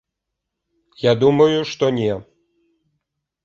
Я думаю, што не.